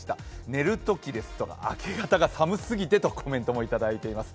寝るときですとか明け方が寒すぎてとコメントもいただいています。